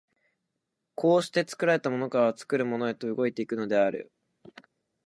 而して作られたものから作るものへと動いて行くのである。